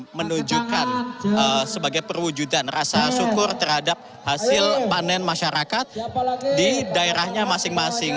ini menunjukkan sebagai perwujudan rasa syukur terhadap hasil panen masyarakat di daerahnya masing masing